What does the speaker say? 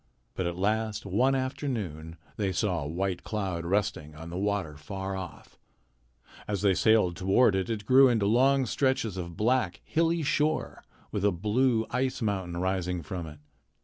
But at last one afternoon they saw a white cloud resting on the water far off. As they sailed toward it, it grew into long stretches of black, hilly shore with a blue ice mountain rising from it.